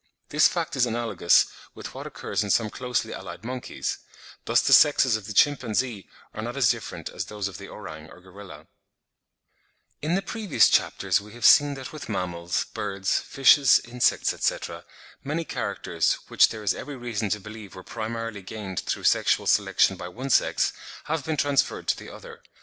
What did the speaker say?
This fact is analogous with what occurs with some closely allied monkeys; thus the sexes of the chimpanzee are not as different as those of the orang or gorilla. (21. Rutimeyer, 'Die Grenzen der Thierwelt; eine Betrachtung zu Darwin's Lehre,' 1868, s. 54.) In the previous chapters we have seen that with mammals, birds, fishes, insects, etc., many characters, which there is every reason to believe were primarily gained through sexual selection by one sex, have been transferred to the other.